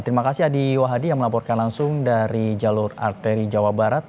terima kasih adi wah hadi yang melaporkan langsung dari jalur arteri jawa barat